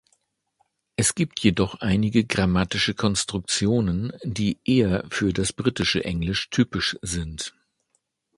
Es gibt jedoch einige grammatische Konstruktionen, die eher für das britische Englisch typisch sind.